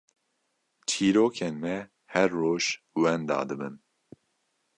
çîrokên me her roj wenda dibin.